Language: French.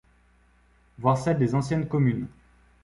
Voir celles des anciennes communes.